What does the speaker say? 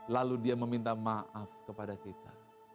lalu dia meminta maaf kepada kita